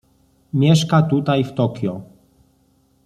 "Mieszka tutaj w Tokio."